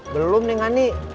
belum nih ngani